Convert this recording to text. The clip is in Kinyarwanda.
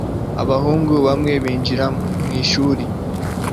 abahungu bamwe binjiye mwishuri